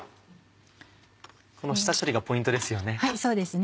この下処理がポイントですよね。